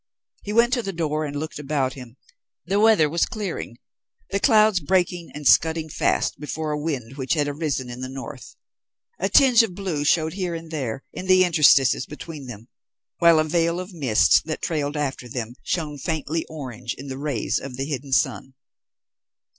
He went to the door and looked about him. The weather was clearing, the clouds breaking and scudding fast before a wind which had arisen in the North; a tinge of blue showed here and there in the interstices between them, while a veil of mist that trailed after them shone faintly orange in the rays of the hidden sun.